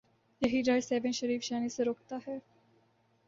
یہی ڈر سیہون شریف جانے سے روکتا ہے۔